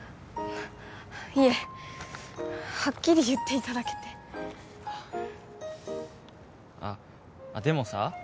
いえはっきり言っていただけてあっでもさ